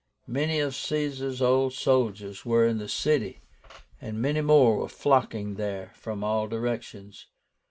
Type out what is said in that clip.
Many of Caesar's old soldiers were in the city, and many more were flocking there from all directions.